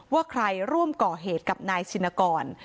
ว่าใครร่วมก่อเหตุกับนายชินกร